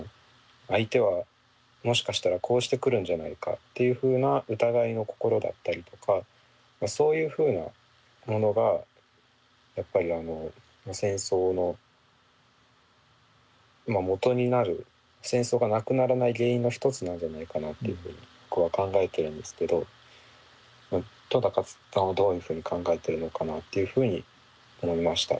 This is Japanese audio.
相手はもしかしたらこうしてくるんじゃないかっていうふうな疑いの心だったりとかそういうふうなものがやっぱり戦争のもとになる戦争がなくならない原因の一つなんじゃないかなっていうふうに僕は考えてるんですけど戸さんはどういうふうに考えてるのかなっていうふうに思いました。